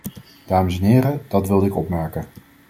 Dames en heren, dat wilde ik opmerken.